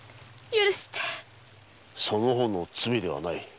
その方の罪ではない。